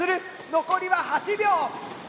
残りは８秒。